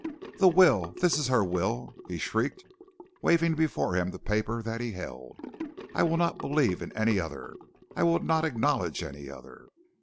"'The will? This is her will!' he shrieked, waving before him the paper that he held; 'I will not believe in any other; I will not acknowledge any other.'